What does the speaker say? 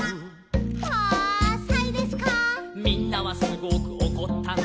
「みんなはすごくおこったの」